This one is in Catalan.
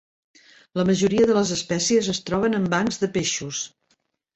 La majoria de les espècies es troben en bancs de peixos.